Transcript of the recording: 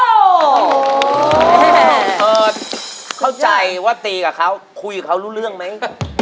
เปิดเข้าใจว่าตีกับเขาคุยกับเขารู้เรื่องไหม